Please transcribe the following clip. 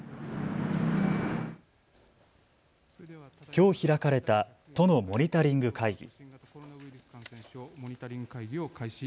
きょう開かれた都のモニタリング会議。